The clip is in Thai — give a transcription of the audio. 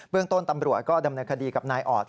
เรื่องต้นตำรวจก็ดำเนินคดีกับนายออด